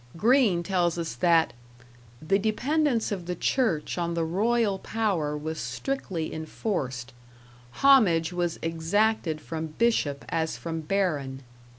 Green tells us that "the dependence of the church on the royal power was strictly enforced. Homage was exacted from bishop as from baron."